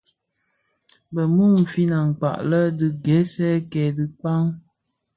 Bë mumfin akpaň lè dhi gènè kè dhikpag.